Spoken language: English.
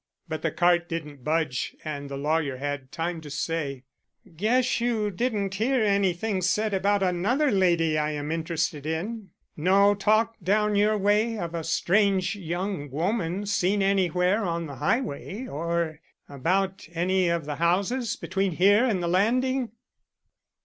But the cart didn't budge and the lawyer had time to say: "Guess you didn't hear anything said about another lady I am interested in. No talk down your way of a strange young woman seen anywhere on the highway or about any of the houses between here and the Landing?"